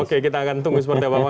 oke kita akan tunggu seperti apa mas